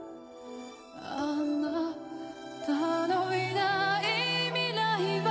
あなたのいない未来は